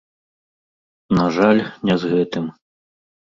На жаль, не з гэтым.